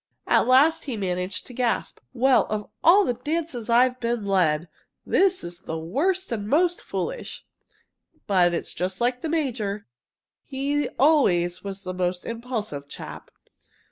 At last he managed to gasp: "Well, of all the dances I've ever been led, this is the worst and most foolish! But it's just like the major. He always was the most impulsive chap.